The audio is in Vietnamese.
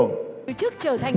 hồ chí minh kinh yêu